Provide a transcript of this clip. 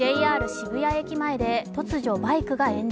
渋谷駅前で突如バイクが炎上。